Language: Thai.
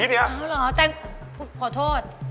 เหรอแปลงขอโทษ